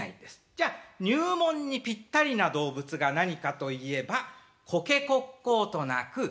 じゃ入門にピッタリな動物が何かといえばコケコッコーと鳴く鶏。